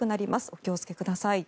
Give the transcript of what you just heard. お気をつけください。